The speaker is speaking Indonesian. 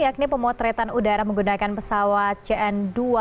yakni pemotretan udara menggunakan pesawat cn dua ratus sembilan puluh lima